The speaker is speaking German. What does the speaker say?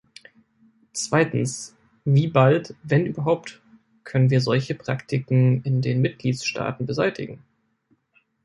Zweitens, wie bald, wenn überhaupt, können wir solche Praktiken in den Mitgliedstaaten beseitigen?